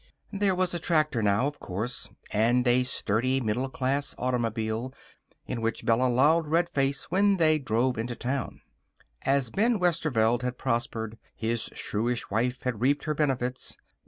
There was a tractor, now, of course; and a sturdy, middle class automobile in which Bella lolled red faced when they drove into town. As Ben Westerveld had prospered, his shrewish wife had reaped her benefits.